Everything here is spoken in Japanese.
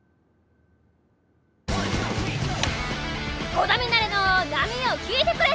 『鼓田ミナレの波よ聞いてくれ』